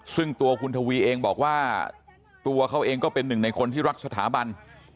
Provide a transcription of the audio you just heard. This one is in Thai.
ซึ่งตัวคุณทวีเองบอกว่าตัวเขาเองก็เป็นหนึ่งในคนที่รักสถาบัน